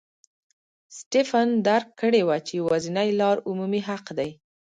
سټېفن درک کړې وه چې یوازینۍ لار عمومي حق دی.